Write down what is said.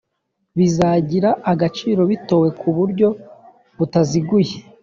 bizagira agaciro bitowe ku buryo butaziguye